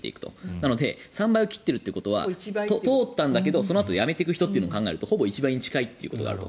なので３倍を切っているということは通ったんだけどそのあと辞めていく人を考えるとほぼ１倍に近い感があると。